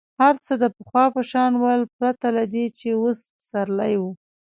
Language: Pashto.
هر څه د پخوا په شان ول پرته له دې چې اوس پسرلی وو.